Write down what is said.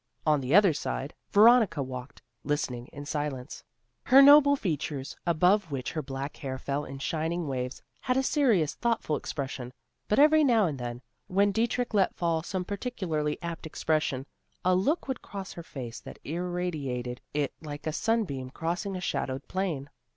On the other side Veronica walked, listening in silence. Her noble features, above which her black hair fell in shining waves, had a serious, thoughtful expression, but every now and then, when Dietrich let fall some particularly apt expression, a look would cross her face that irradiated it like a sunbeam crossing a shadowed plain.